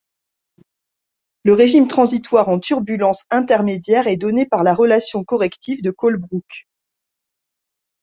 Le régime transitoire en turbulence intermédiaire est donné par la relation corrective de Colebrook.